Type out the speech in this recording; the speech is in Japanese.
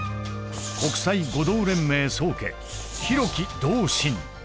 国際護道連盟宗家廣木道心。